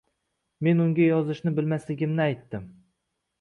Men unga yozishni bilmasligimni aytdim